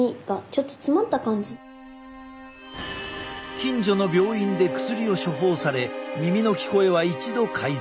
近所の病院で薬を処方され耳の聞こえは一度改善。